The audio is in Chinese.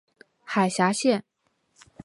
海峡线。